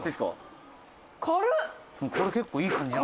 「これ結構いい感じ。